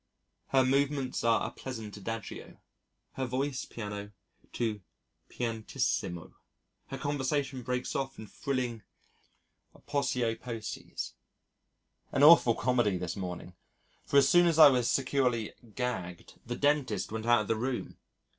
Her movements are a pleasant adagio, her voice piano to pianissimo, her conversation breaks off in thrilling aposiopoeses. An awful comedy this morning for as soon as I was securely "gagged" the dentist went out of the room.